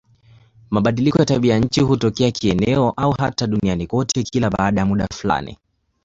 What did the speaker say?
Mabadiliko ya tabianchi hutokea kieneo au hata duniani kote kila baada ya muda fulani.